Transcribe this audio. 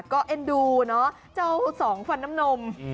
ก็เอ็นดูเนอะเจ้าสองฟันน้ำนม